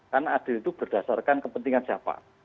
karena adil itu berdasarkan kepentingan siapa